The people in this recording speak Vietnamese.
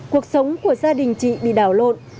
cuộc sống của gia đình chị bị đảo lộn